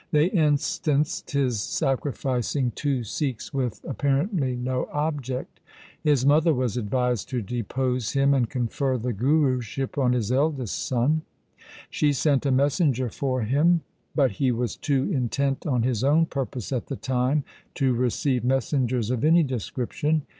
They instanced his sacrificing two Sikhs with ap parently no object. His mother was advised to depose him and confer the Guruship on his eldest son. She sent a messenger for him, but he was too intent on his own purpose at the time to receive messengers of any description.